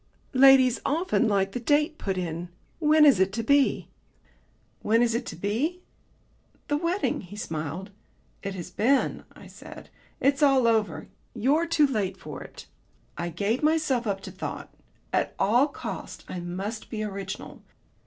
"Ladies often like the date put in. When is it to be?" "When is what to be?" "The wedding," he smiled. "It has been," I said. "It's all over. You're too late for it." I gave myself up to thought. At all costs I must be original.